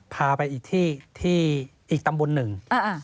พาไปอีกที่ที่อีกตำบลหนึ่ง